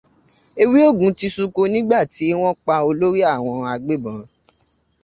Ewé òògùn ti sunko nígbà tí wọ́n pa olórí àwọn agbébọn.